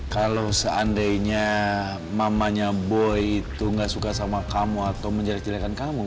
kalau seandainya mamanya boy itu gak suka sama kamu atau menjelek jelekan kamu